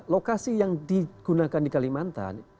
lokasi yang digunakan di kalimantan